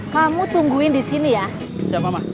kamu tungguin di sini ya